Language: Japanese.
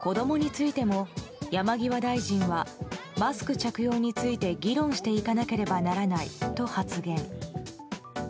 子供についても山際大臣はマスク着用について議論していかなければならないと発言。